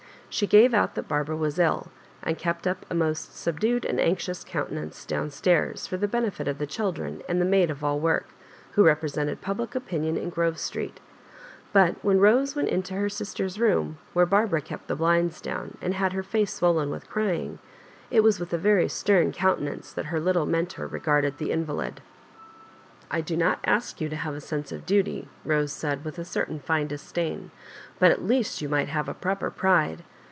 She gave out that Barbara was ill, and kept up a most subdued and anxious countenance down stairs, for the benefit of the children and the maid of all work, who represented public opinion in Grrove Street; but when Rose went into her sister's room, where Barbara kept the blinds down, and had her face swollen with crying, it was with a very stem countenance that her little mentor regarded the invalid. I do not ask you to have a sense of duty," Bose said, with a certain fine disdain, '* but at least you might have a proper pride."